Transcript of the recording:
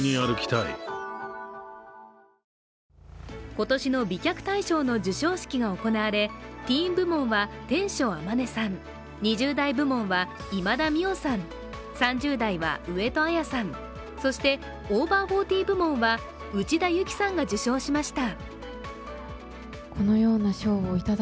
今年の美脚大賞の授賞式が行われ、ティーン部門は天翔天音さん、２０代部門は今田美桜さん、３０代は上戸彩さん、そしてオーバーフォーティー部門は内田有紀さんが受賞ました。